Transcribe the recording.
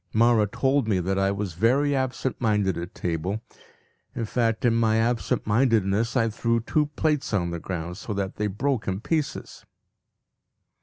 Mawra told me that I was very absent minded at table. In fact, in my absent mindedness I threw two plates on the ground so that they broke in pieces.